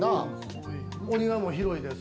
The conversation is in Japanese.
お庭も広いです。